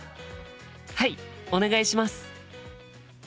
はいお願いします。